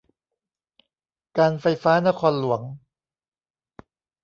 การไฟฟ้านครหลวง